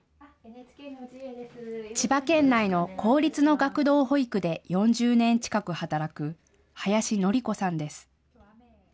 千葉県内の公立の学童保育で４０年近く働く、林典子さんです。